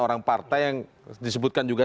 orang partai yang disebutkan juga